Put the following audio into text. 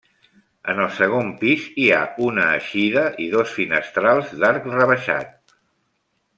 En el segon pis hi ha una eixida i dos finestrals d'arc rebaixat.